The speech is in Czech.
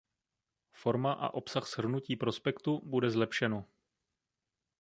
Forma a obsah shrnutí prospektu bude zlepšeno.